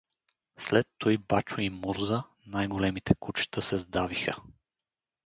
След туй Бачо и Мурза, най-големите кучета, се сдавиха.